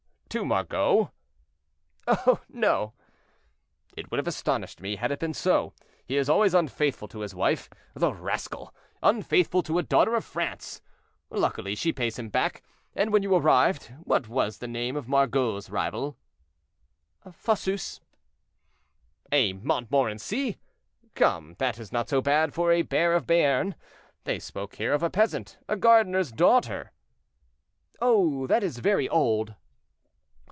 "To Margot?" "Oh! no." "It would have astonished me had it been so; he is always unfaithful to his wife—the rascal! Unfaithful to a daughter of France! Luckily, she pays him back. And when you arrived, what was the name of Margot's rival?" "Fosseuse." "A Montmorency. Come, that is not so bad for a bear of Béarn. They spoke here of a peasant, a gardener's daughter." "Oh! that is very old."